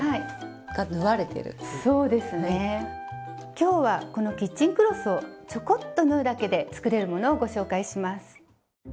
今日はこのキッチンクロスをちょこっと縫うだけで作れるものをご紹介します。